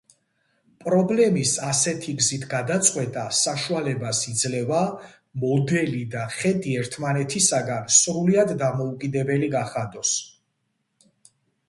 პრობლემის ასეთი გზით გადაწყვეტა საშუალებას იძლევა მოდელი და ხედი ერთმანეთისაგან სრულიად დამოუკიდებელი გახადოს.